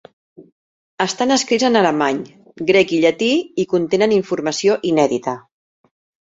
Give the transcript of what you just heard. Estan escrits en alemany, grec i llatí i contenen informació inèdita.